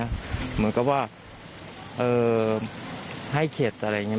เหมือนกับว่าให้เข็ดอะไรอย่างนี้